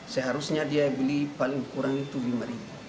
seharusnya dia beli paling kurang itu lima ribu